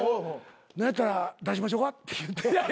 何やったら出しましょうかって言うて。